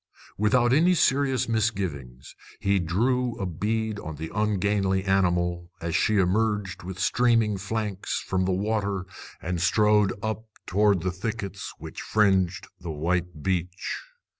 Without any serious misgivings, he drew a bead on the ungainly animal, as she emerged with streaming flanks from the water and strode up toward the thickets which fringed the white beach.